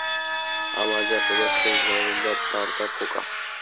ამ აჯანყებას ხელმძღვანელობდა ბარდა ფოკა.